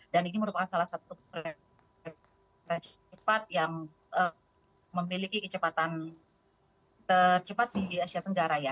dan ini merupakan salah satu kereta cepat yang memiliki kecepatan tercepat di asia tenggara ya